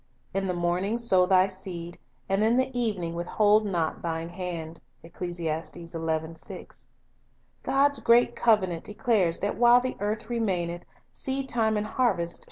"In the morning sow thy seed, and in the evening withhold not thine hand."* God's great covenant declares that "while the earth remaineth, seed time and harvest